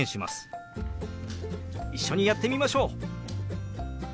一緒にやってみましょう。